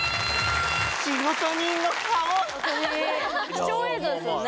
貴重映像ですよね？